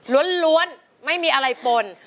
ล้วนไม่มีอะไรปน